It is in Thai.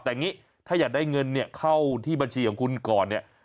แต่อย่างนี้ถ้าอยากได้เงินเนี่ยเข้าที่บัญชีของคุณก่อนเนี่ย